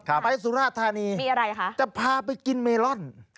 ครับไปสุราธารณีมีอะไรค่ะจะพาไปกินเมลอลอ๋อ